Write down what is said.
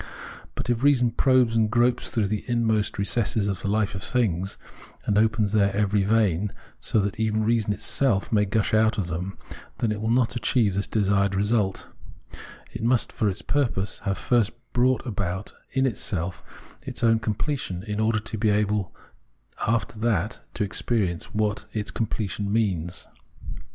But if reason probes and gropes through the inmost recesses of the hfe of things, and opens their every vein so that even reason itself may gush out of them, then it will not achieve this desired result ; it must, for its purpose, have first brought about in itself its own completion in order to be able after that to experience what its completion means.